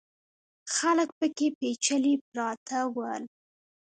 خلک پکې پېچلي پراته ول.